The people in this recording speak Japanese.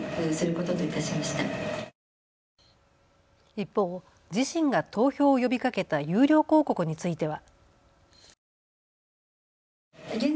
一方、自身が投票を呼びかけた有料広告については。